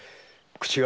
口が？